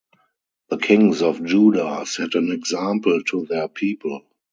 The kings of Judah set an example to their people.